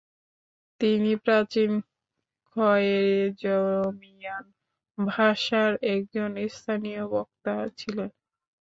তিনি প্রাচীন খয়েরেজমিয়ান ভাষার একজন স্থানীয় বক্তা ছিলেন।